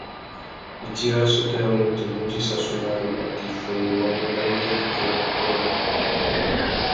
Itsi râ assôtô ya mutu i mú djï sassunari, watu iffundu wa mu dangüia itsi râ purú rabú.